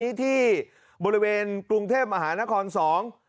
ที่บริเวณกรุงเทพมหานครสอง